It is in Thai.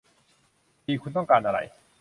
ดี คุณต้องการอะไร